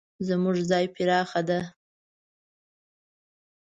زموږ ځای پراخه ده